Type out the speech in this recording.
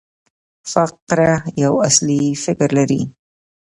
فقره یو اصلي فکر لري.